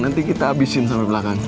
nanti kita abisin sampe belakang